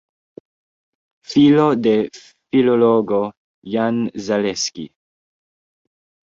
Filo de filologo Jan Zaleski.